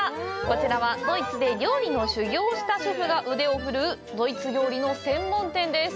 こちらは、ドイツで料理の修業をしたシェフが腕を振るうドイツ料理の専門店です。